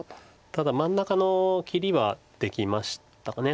ただ真ん中の切りはできましたか。